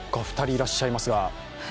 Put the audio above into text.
他２人いらっしゃいますが。